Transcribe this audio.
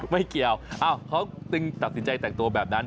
ไม่เกี่ยวเขาจึงตัดสินใจแต่งตัวแบบนั้น